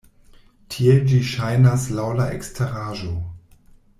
Tiel ĝi ŝajnas laŭ la eksteraĵo.